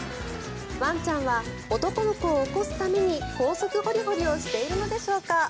ワンちゃんは男の子を起こすために高速ホリホリをしているのでしょうか。